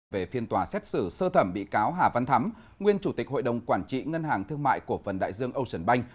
về phiên tòa xét xử sơ thẩm bị cáo hà văn thắm nguyên chủ tịch hội đồng quản trị ngân hàng thương mại cổ phần đại dương ocean bank